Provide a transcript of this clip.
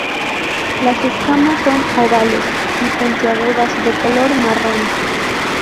Las escamas son ovales y puntiagudas, de color marrón.